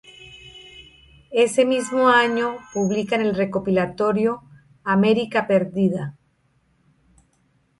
Ese mismo año publican el recopilatorio "Amerika Perdida".